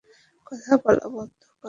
কথা বলা বন্ধ কর।